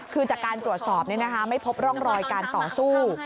คือจากการตรวจสอบไม่พบร่องรอยการต่อสู้